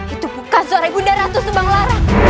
itu bukan suara ibu nda ratu semanglarang